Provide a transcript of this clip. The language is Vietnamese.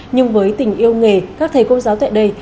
nhưng với tình yêu nghề các thầy cô giáo tại đây